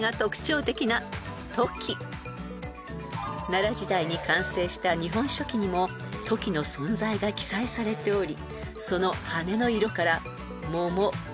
［奈良時代に完成した『日本書紀』にもトキの存在が記載されており］